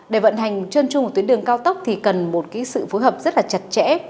để vận hành chân chung một tuyến đường cao tốc thì cần một cái sự phối hợp rất là chặt chẽ